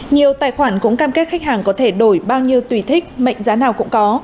nhiều tài khoản cũng cam kết khách hàng có thể đổi bao nhiêu tùy thích mệnh giá nào cũng có